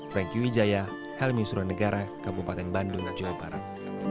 franky widjaya helmy suranegara kabupaten bandung jawa barat